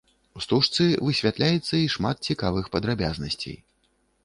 У стужцы высвятляецца і шмат цікавых падрабязнасцей.